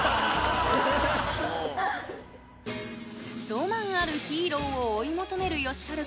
ロマンあるヒーローを追い求めるよしはる